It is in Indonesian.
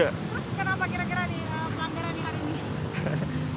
terus kenapa kira kira di pelanggaran hari ini